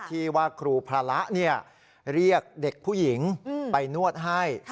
ที่ว่าครูพระเรียกเด็กผู้หญิงไปนวดให้